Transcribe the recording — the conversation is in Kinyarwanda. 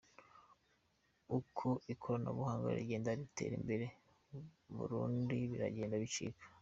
Uko ikoranabuhanga rigenda ritera imbere Muburundi biragenda bicika